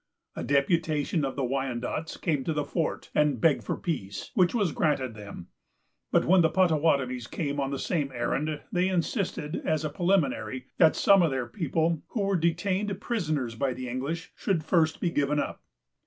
A deputation of the Wyandots came to the fort, and begged for peace, which was granted them; but when the Pottawattamies came on the same errand, they insisted, as a preliminary, that some of their people, who were detained prisoners by the English, should first be given up.